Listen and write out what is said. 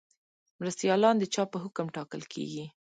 مرستیالان د چا په حکم ټاکل کیږي؟